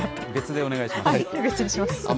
別でお願いします。